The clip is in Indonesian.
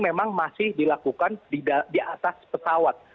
memang masih dilakukan di atas pesawat